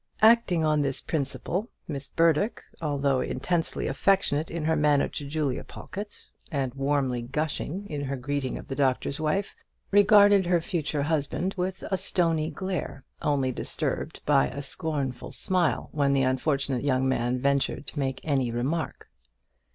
Acting on this principle, Miss Burdock, although intensely affectionate in her manner to Julia Pawlkatt, and warmly gushing in her greeting of the Doctor's Wife, regarded her future husband with a stony glare, only disturbed by a scornful smile when the unfortunate young man ventured to make any remark.